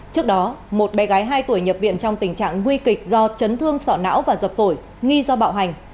trước đó một bé gái hai tuổi nhập viện trong tình trạng nguy kịch do chấn thương sọ não và dập phổi nghi do bạo hành